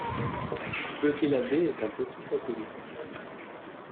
Eukéladé est un petit satellite.